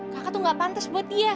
kakak tuh nggak pantes buat dia